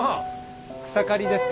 草刈りですか？